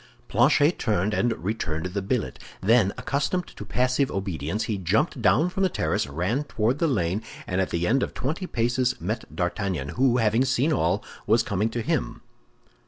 Planchet turned and returned the billet. Then, accustomed to passive obedience, he jumped down from the terrace, ran toward the lane, and at the end of twenty paces met D'Artagnan, who, having seen all, was coming to him.